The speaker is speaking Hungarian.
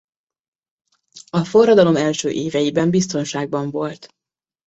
A forradalom első éveiben biztonságban volt.